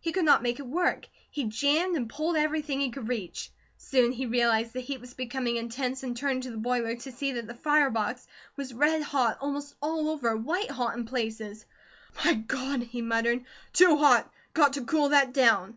He could not make it work. He jammed and pulled everything he could reach. Soon he realized the heat was becoming intense, and turned to the boiler to see that the fire box was red hot almost all over, white hot in places. "My God!" he muttered. "Too hot! Got to cool that down."